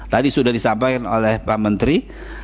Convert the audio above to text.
tadi sudah disampaikan oleh pak menteri